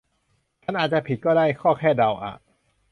ฉันอาจจะผิดก็ได้ ก็แค่เดาอ่ะ